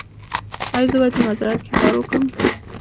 ایا زه باید په مزرعه کې کار وکړم؟